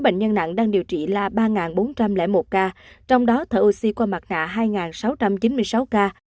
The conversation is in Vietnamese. bệnh nhân nặng đang điều trị là ba bốn trăm linh một ca trong đó thở oxy qua mặt nạ hai sáu trăm chín mươi sáu ca